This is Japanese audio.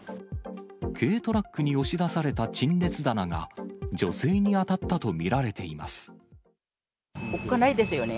軽トラックに押し出された陳列棚が、女性に当たったと見られていおっかないですよね。